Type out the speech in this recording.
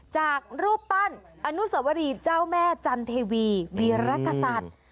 จากรูปปั้นอนุสวรีเจ้าแม่จันเทวีวีรกษัตริย์